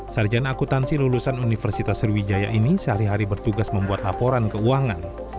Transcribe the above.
sarjan akutansi lulusan universitas sriwijaya ini sehari hari bertugas membuat laporan keuangan